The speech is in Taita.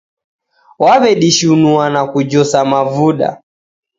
Waw'edishua na kujosa mavuda.